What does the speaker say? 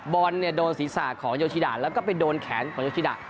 บอลเนี่ยโดนศีรษะของโยชิดาแล้วก็ไปโดนแขนของโยชิดะ